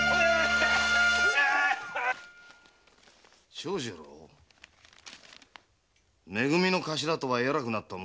「長次郎め組の頭とは偉くなったもんだな」